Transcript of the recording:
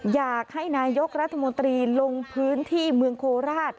อยากให้นายกรัฐมนตรีลงพื้นที่เมืองโคราช